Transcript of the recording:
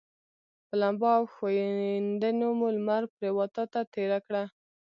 په لمبا او ښویندیو مو لمر پرېواته تېره کړه.